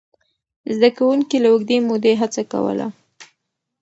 زده کوونکي له اوږدې مودې هڅه کوله.